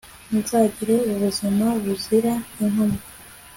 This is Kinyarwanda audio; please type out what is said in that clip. nzagire ubuzima buzira inkomyi